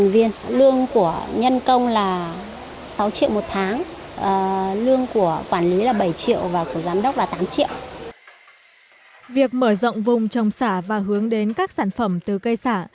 việc mở rộng vùng trồng xả và hướng đến các sản phẩm từ cây xả